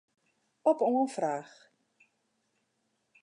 Op oanfraach.